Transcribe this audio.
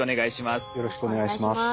よろしくお願いします。